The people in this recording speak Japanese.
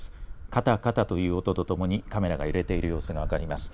かたかたという音とともにカメラが揺れている様子が分かります。